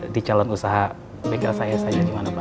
di calon usaha begel saya saja gimana pak